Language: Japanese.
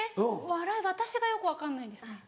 笑い私がよく分かんないんですね。